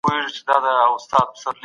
ټولګي تمرین څنګه د زده کوونکو هڅه زیاتوي؟